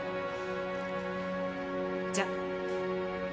じゃあ。